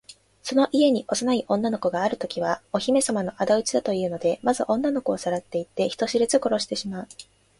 その家に幼い女の子があるときは、お姫さまのあだ討ちだというので、まず女の子をさらっていって、人知れず殺してしまう。